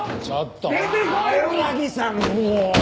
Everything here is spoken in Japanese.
ちょっと青柳さんもう！